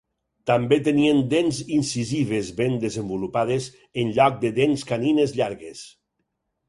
També tenien dents incisives ben desenvolupades en lloc de dents canines llargues.